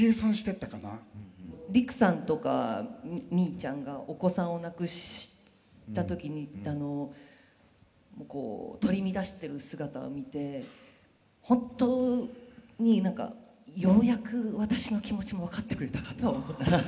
りくさんとか実衣ちゃんがお子さんを亡くした時にあのこう取り乱してる姿を見て本当に何かようやく私の気持ちも分かってくれたかとは思ってた。